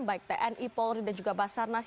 baik tni polri dan juga basarnas